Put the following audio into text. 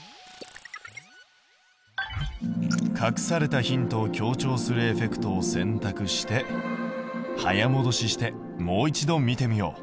隠されたヒントを強調するエフェクトを選択して早もどししてもう一度見てみよう。